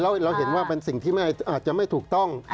เราเห็นว่าเป็นสิ่งที่อาจจะไม่ถูกต้อง